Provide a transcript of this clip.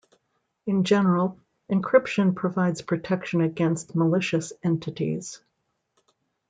In general, encryption provides protection against malicious entities.